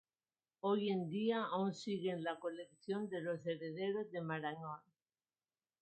Hoy en día aún sigue en la colección de los herederos de Marañón.